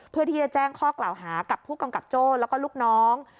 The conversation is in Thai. เพื่อที่จะแจ้งข้อกล่าวหากับผู้กำกับโจ้แล้วก็ลูกน้อง